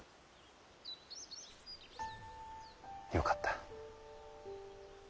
よかった。